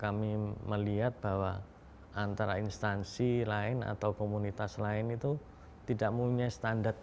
kami melihat bahwa antara instansi lain atau komunitas lain itu tidak punya standar